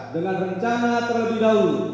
dengan rencana terlebih dahulu